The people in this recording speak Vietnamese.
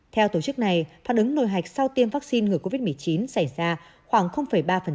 theo tổ chức này phản ứng nồi hạch sau tiêm vaccine ngừa covid một mươi chín xảy ra khoảng ba